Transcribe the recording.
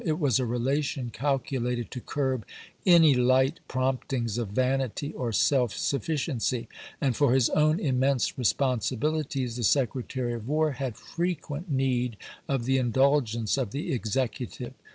It was a relation calculated to curb any light promptings of vanity or seK sufficiency ; and for his own immense responsibilities the Secretary of War had frequent need of the indulgence of the Executive.